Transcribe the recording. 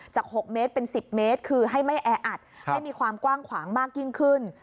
๖เมตรเป็น๑๐เมตรคือให้ไม่แออัดให้มีความกว้างขวางมากยิ่งขึ้น